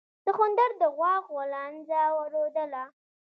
سخوندر د غوا غولانځه رودله.